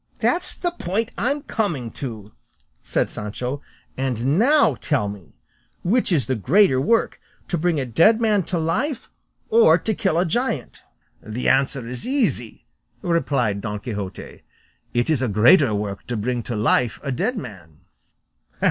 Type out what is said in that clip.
"That's the point I'm coming to," said Sancho; "and now tell me, which is the greater work, to bring a dead man to life or to kill a giant?" "The answer is easy," replied Don Quixote; "it is a greater work to bring to life a dead man."